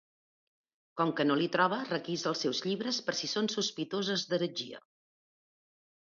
Com que no l'hi troba, requisa els seus llibres per si són sospitoses d'heretgia.